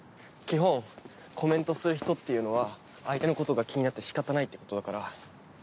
基本コメントする人っていうのは相手のことが気になって仕方ないってことだから。